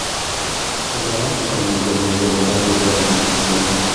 ئێمە ناتوانین بۆ هەموو وردەکارییەک لێیان بپرسینەوە